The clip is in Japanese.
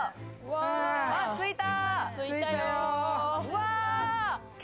あっ、着いた！